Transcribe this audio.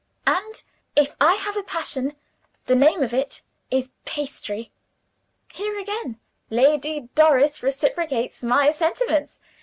And, if I have a passion, the name of it is Pastry. Here again, Lady Doris reciprocates my sentiments.